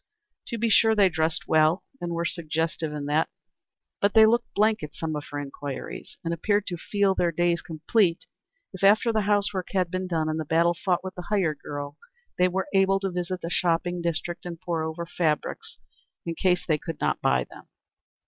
To be sure, they dressed well and were suggestive in that, but they looked blank at some of her inquiries, and appeared to feel their days complete if, after the housework had been done and the battle fought with the hired girl, they were able to visit the shopping district and pore over fabrics, in case they could not buy them.